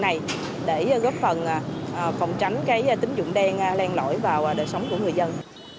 này để góp phần phòng tránh tính dụng đen len lõi vào đời sống của người dân